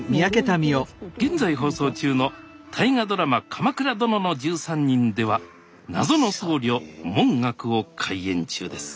現在放送中の大河ドラマ「鎌倉殿の１３人」では謎の僧侶文覚を怪演中です